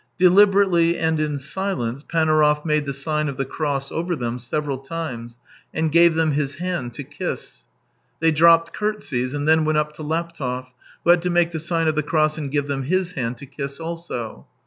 Deliberately and in silence, Panaurov made the sign of the cross over them several times, and gave them his hand to kiss. They dropped curtsies, and then went up to Laptev, who had to make the sign of the cross and give them his hand to kiss also.